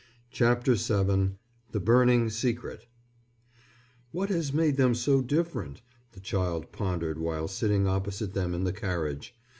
CHAPTER VII THE BURNING SECRET "What has made them so different?" the child pondered while sitting opposite them in the carriage.